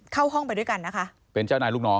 เข้าห้องไปด้วยกันนะคะ